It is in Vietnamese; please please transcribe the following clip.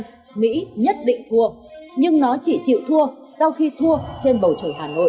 quân đội mỹ nhất định thua nhưng nó chỉ chịu thua sau khi thua trên bầu trời hà nội